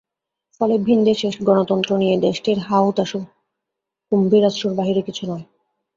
ফলে ভিন দেশের গণতন্ত্র নিয়ে দেশটির হা-হুতাশও কুম্ভীরাশ্রুর বাইরে কিছু নয়।